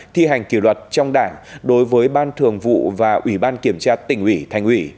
thi hành kỷ luật trong đảng đối với ban thường vụ và ủy ban kiểm tra tỉnh ủy thành ủy